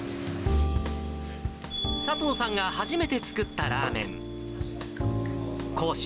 佐藤さんが初めて作ったラーメン。